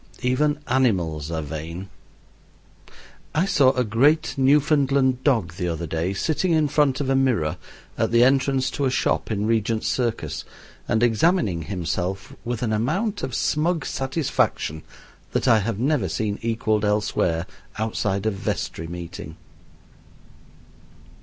Why, even animals are vain. I saw a great Newfoundland dog the other day sitting in front of a mirror at the entrance to a shop in Regent's Circus, and examining himself with an amount of smug satisfaction that I have never seen equaled elsewhere outside a vestry meeting.